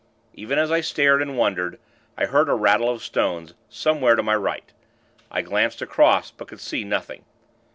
Even as I stared and wondered, I heard a rattle of stones, somewhere to my right. I glanced across; but could see nothing.